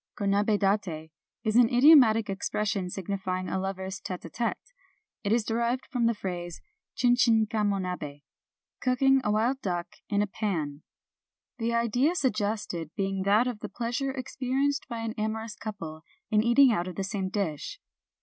Konabi date is an idiomatic expression signifying a lovers' t§te k t§te. It is derived from the phrase, Chin chin kamo nabS ("cooking a wild duck in a pan "),— the idea suggested being that of the pleasure experienced by an amorous couple in eating out of the same dish.